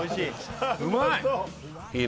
うまい！